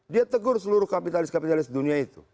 dia tegur seluruh kapitalis kapitalis dunia itu